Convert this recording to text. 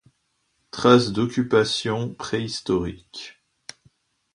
Traces d'occupation préhistorique.